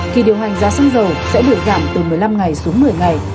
kỳ điều hành giá xăng dầu sẽ được giảm từ một mươi năm ngày xuống một mươi ngày